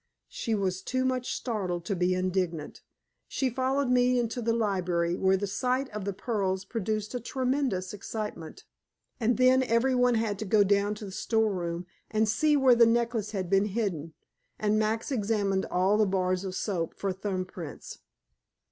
She was too much startled to be indignant. She followed me into the library, where the sight of the pearls produced a tremendous excitement, and then every one had to go down to the store room, and see where the necklace had been hidden, and Max examined all the bars of soap for thumb prints.